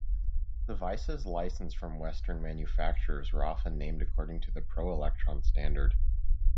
Devices licensed from Western manufacturers were often named according to the Pro Electron standard.